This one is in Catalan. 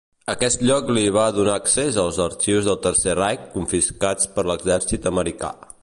Aquest lloc li va donar accés als arxius del Tercer Reich confiscats per l'exèrcit americà.